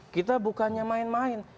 kita bukannya main main